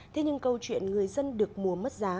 thế nhưng câu chuyện người dân được mua mất giá